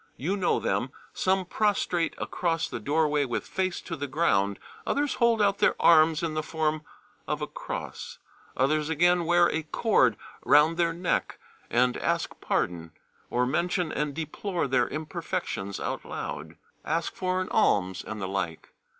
You know them: Some prostrate across the doorway with face to the ground, others hold out their arms in the form of a cross, others again wear a cord round their neck, and ask pardon, or mention and deplore their imperfections out loud, ask for an alms and the like.